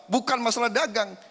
bukan masalah dagang